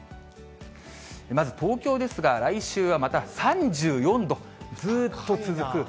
まず東京ですが、来週はまた３４度、ずっと続く。